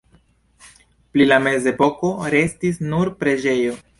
Pri la mezepoko restis nur preĝejo.